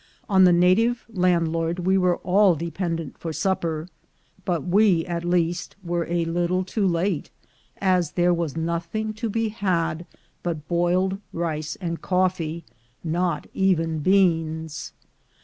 On the native landlord we were all dependent for supper; but we, at least, were a little too late, as there was nothing to be had but boiled rice and coffee — not even beans.